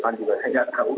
pan juga saya tidak tahu